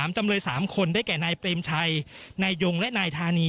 จำเลย๓คนได้แก่นายเปรมชัยนายยงและนายธานี